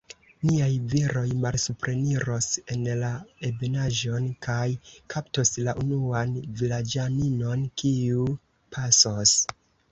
Niaj viroj malsupreniros en la ebenaĵon, kaj kaptos la unuan vilaĝaninon, kiu pasos.